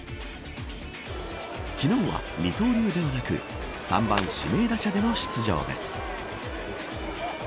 昨日は、二刀流ではなく３番指名打者での出場です。